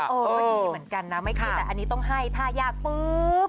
ดีเหมือนกันนะไม่คิดแต่อันนี้ต้องให้ถ้ายากปุ๊บ